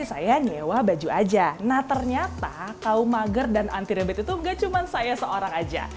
saya nyewa baju aja nah ternyata kaum mager dan anti rebet itu enggak cuma saya seorang aja